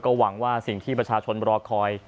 หวังว่าสิ่งที่ประชาชนรอคอย